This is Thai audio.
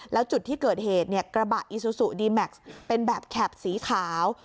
แล้วจุดที่เกิดเหตุเนี่ยกระบะอีซูซูดีแม็กซ์เป็นแบบแข็บสีขาว